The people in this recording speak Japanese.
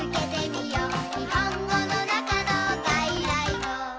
「にほんごのなかのがいらいご」